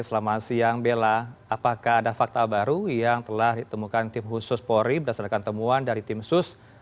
selamat siang bella apakah ada fakta baru yang telah ditemukan tim khusus polri berdasarkan temuan dari tim sus